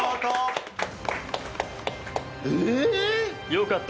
よかった。